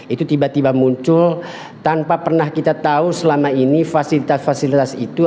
itu tiba tiba muncul tanpa pernah kita tahu selama ini fasilitas fasilitas itu